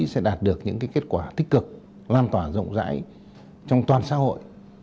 sẽ đạt được những kết quả tích cực lan tỏa rộng rãi trong toàn xã hội